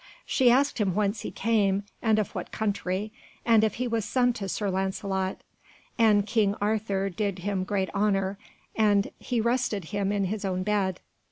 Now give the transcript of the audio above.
She asked him whence he came, and of what country, and if he was son to Sir Lancelot. And King Arthur did him great honour, and he rested him in his own bed.